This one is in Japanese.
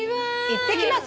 行ってきますよ。